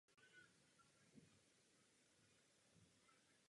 Tyto kovy zde byly těženy již v době římské.